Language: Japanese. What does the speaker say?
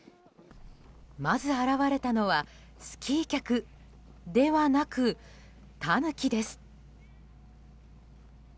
まず現れたのはスキー客ではなくタヌキです。